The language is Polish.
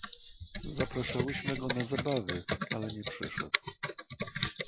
"Zapraszałyśmy go na zabawy, ale nie przyszedł."